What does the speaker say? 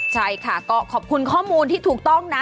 ใช่ค่ะก็ขอบคุณข้อมูลที่ถูกต้องนะ